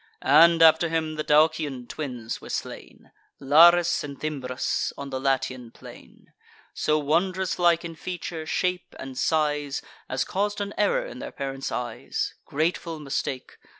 And, after him, the Daucian twins were slain, Laris and Thymbrus, on the Latian plain; So wondrous like in feature, shape, and size, As caus'd an error in their parents' eyes— Grateful mistake!